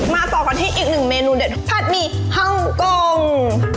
ต่อกันที่อีกหนึ่งเมนูเด็ดผัดหมี่ฮ่องกง